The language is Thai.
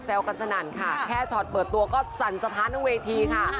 กันสนั่นค่ะแค่ช็อตเปิดตัวก็สั่นสะท้านทั้งเวทีค่ะ